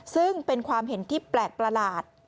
ซึ่งเป็นความเห็นที่แปลกประหลาด